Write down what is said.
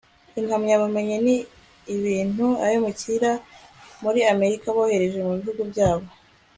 impamyabumenyi ni ibintu abimukira muri amerika bohereza mubihugu byabo